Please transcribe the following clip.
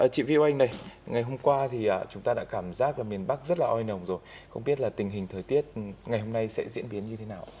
chị viu anh này ngày hôm qua thì chúng ta đã cảm giác là miền bắc rất là oi nồng rồi không biết là tình hình thời tiết ngày hôm nay sẽ diễn biến như thế nào